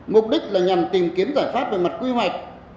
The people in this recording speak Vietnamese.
mục đích là nhằm tìm kiếm giải pháp về mặt quy hoạch